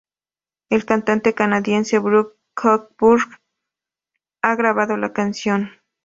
El cantante canadiense Bruce Cockburn ha grabado la canción.